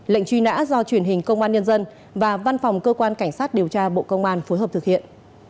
lệnh truy nã do truyền hình công an nhân dân và văn phòng cơ quan cảnh sát điều tra bộ công an phối hợp thực hiện